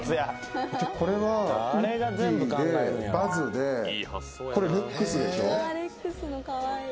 これはウッディでバズでこれレックスでしょ